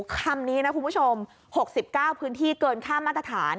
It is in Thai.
คำนี้นะคุณผู้ชม๖๙พื้นที่เกินค่ามาตรฐาน